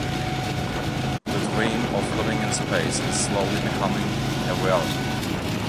The dream of living in space is slowly becoming a reality.